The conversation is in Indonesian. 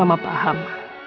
aku bakal kasih mama